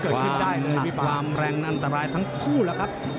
ความหนักความแรงน่าอันตรายทั้งคู่หรอครับ